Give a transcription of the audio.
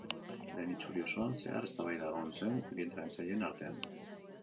Lehen itzuli osoan zehar eztabaida egon zen bi entrenatzaileen artean.